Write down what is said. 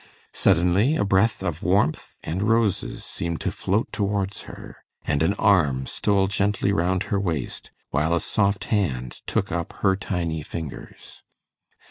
Suddenly a breath of warmth and roses seemed to float towards her, and an arm stole gently round her waist, while a soft hand took up her tiny fingers.